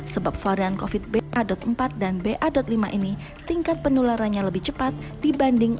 sebab varian kofit b adot empat dan b adot lima ini tingkat penularannya lebih cepat dibanding